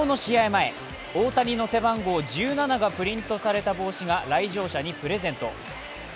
前、大谷の背番号１７がプリントされた帽子が来場者にプレゼント。